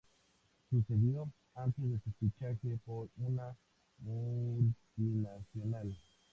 Sucedió antes de su fichaje por una multinacional.